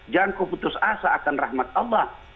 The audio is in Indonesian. jangan kau putus asa akan rahmat allah